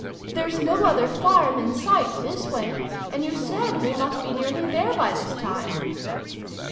" There's no other farm in sight, this way ; and you said we must be nearly there by this time."